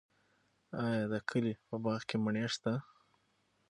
آیا د کلي په باغ کې مڼې شته؟